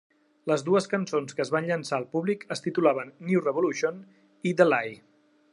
Les dues cançons que es van llançar al públic es titulaven "New Revolution" i "The Lie".